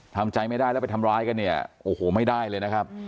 ทำใจไม่ได้แล้วไปทำร้ายกันเนี่ยโอ้โหไม่ได้เลยนะครับ